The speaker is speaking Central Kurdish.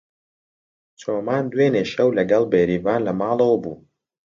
چۆمان دوێنێ شەو لەگەڵ بێریڤان لە ماڵەوە بوو.